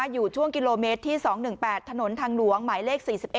อยู่ช่วงกิโลเมตรที่๒๑๘ถนนทางหลวงหมายเลข๔๑